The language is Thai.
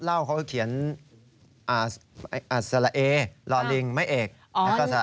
เล่าเขาก็เขียนสละเอลอลิงไม่เอกแล้วก็สละอา